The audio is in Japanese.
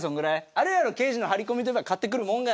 あるやろ刑事の張り込みといえば買ってくるもんが。